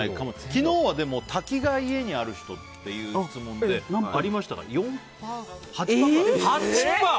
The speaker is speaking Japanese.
昨日は滝が家にある人という質問でありましたが８％かな。